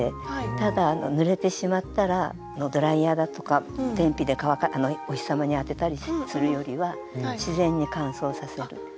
ただぬれてしまったらドライヤーだとか天日で乾かお日様に当てたりするよりは自然に乾燥させる。